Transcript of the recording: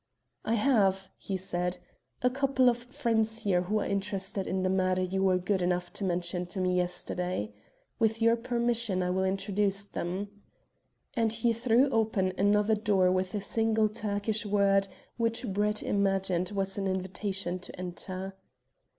"I have," he said, "a couple of friends here who are interested in the matter you were good enough to mention to me yesterday. With your permission I will introduce them," and he threw open another door with a single Turkish word which Brett imagined was an invitation to enter.